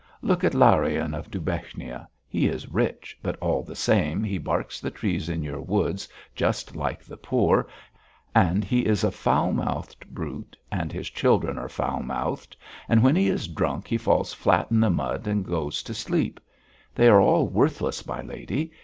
Look at Larion of Dubechnia he is rich, but all the same he barks the trees in your woods just like the poor; and he is a foul mouthed brute, and his children are foul mouthed, and when he is drunk he falls flat in the mud and goes to sleep. They are all worthless, my lady.